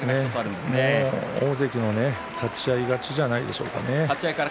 大関の立ち合い勝ちじゃないでしょうかね。